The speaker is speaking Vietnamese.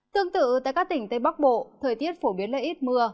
tương tự tại các tỉnh tây bắc bộ thời tiết phổ biến là ít mưa